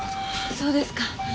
そうですか。